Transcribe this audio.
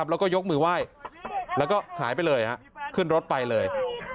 แล้วก็ยกมือไหว้แล้วก็หายไปเลยขึ้นรถไปเลย